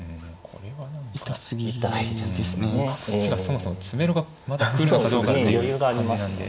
こっちがそもそも詰めろがまだ来るのかどうかっていう感じなんで。